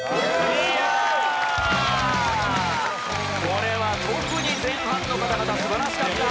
これは特に前半の方々素晴らしかった！